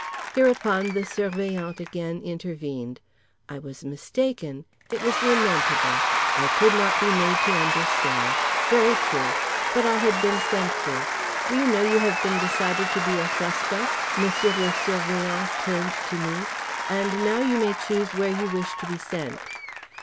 Hereupon the Surveillant again intervened. I was mistaken. It was lamentable. I could not be made to understand. Very true. But I had been sent for—"Do you know, you have been decided to be a suspect?" Monsieur le Surveillant turned to me, "and now you may choose where you wish to be sent."